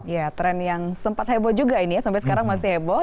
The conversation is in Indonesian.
ya tren yang sempat heboh juga ini ya sampai sekarang masih heboh